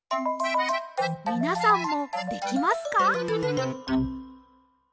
みなさんもできますか？